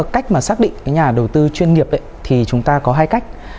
cách mà xác định cái nhà đầu tư chuyên nghiệp thì chúng ta có hai cách